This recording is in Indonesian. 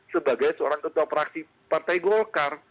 sebagai seorang ketua praksi partai golkar